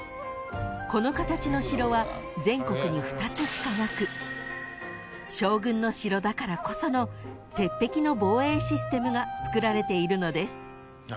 ［この形の城は全国に２つしかなく将軍の城だからこその鉄壁の防衛システムがつくられているのです］